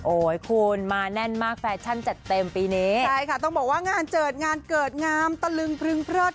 คุณมาแน่นมากแฟชั่นจัดเต็มปีนี้ใช่ค่ะต้องบอกว่างานเจิดงานเกิดงามตะลึงพรึงเพลิด